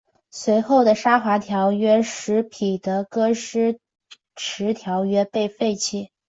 随后的华沙条约使彼得戈施迟条约被废弃。